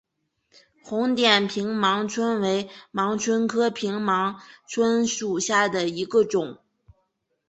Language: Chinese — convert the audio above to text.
红点平盲蝽为盲蝽科平盲蝽属下的一个种。